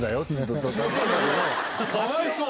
かわいそう！